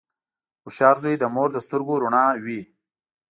• هوښیار زوی د مور د سترګو رڼا وي.